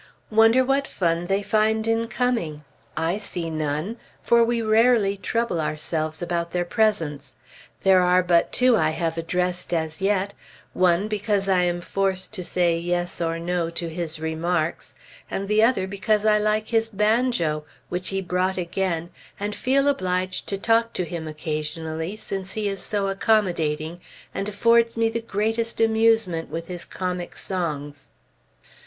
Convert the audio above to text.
Wonder what fun they find in coming? I see none. For we rarely trouble ourselves about their presence; there are but two I have addressed as yet; one because I am forced to say yes or no to his remarks, and the other because I like his banjo, which he brought again, and feel obliged to talk occasionally since he is so accommodating, and affords me the greatest amusement with his comic songs.